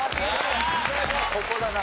ここだな。